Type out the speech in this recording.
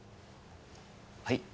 はい？